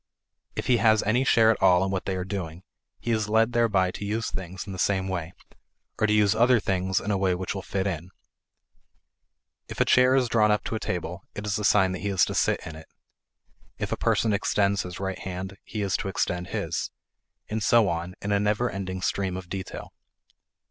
If he has any share at all in what they are doing, he is led thereby to use things in the same way, or to use other things in a way which will fit in. If a chair is drawn up to a table, it is a sign that he is to sit in it; if a person extends his right hand, he is to extend his; and so on in a never ending stream of detail.